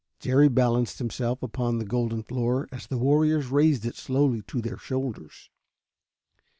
Jerry balanced himself upon the golden floor as the warriors raised it slowly to their shoulders.